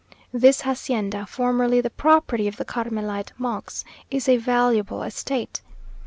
This hacienda, formerly the property of the Carmelite monks, is a valuable estate.